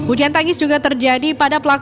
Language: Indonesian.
ujian tangis juga terjadi pada pelaku